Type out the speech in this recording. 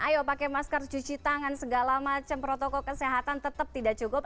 ayo pakai masker cuci tangan segala macam protokol kesehatan tetap tidak cukup